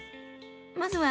まずは。